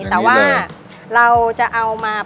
แต่ว่าเราจะเอามา